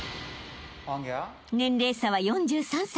［年齢差は４３歳。